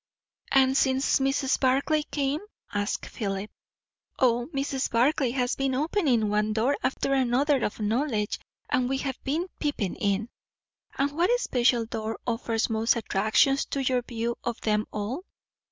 "And since Mrs. Barclay came? " asked Philip. "O, Mrs. Barclay has been opening one door after another of knowledge, and we have been peeping in." "And what special door offers most attraction to your view, of them all?"